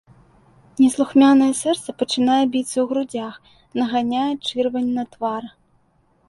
Неслухмянае сэрца пачынае біцца ў грудзях, наганяе чырвань на твар.